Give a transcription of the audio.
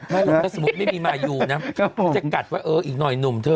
ถ้าสมมติไม่มีมายูนะจะกัดว่าอีกหน่อยหนุ่มเธอ